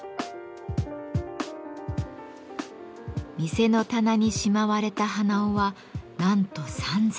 店の棚にしまわれた鼻緒はなんと３，０００。